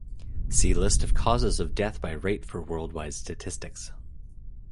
See list of causes of death by rate for worldwide statistics.